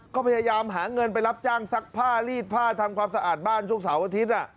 ก็พยายามหาเงินไปรับจ้างซักผ้าลีดผ้าทำความสะอาดบ้านช่วงเสาร์อาทิตย์